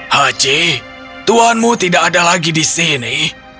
hachi tuanmu tidak ada lagi di sini